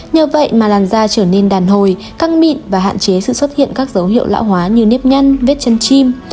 nhờ vậy mà làn da trở nên đàn hồi căng mịn và hạn chế sự xuất hiện các dấu hiệu lão hóa như nếp nhăn vết chân chim